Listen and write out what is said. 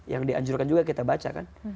yang dianjurkan juga kita baca kan